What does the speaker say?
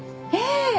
ええ。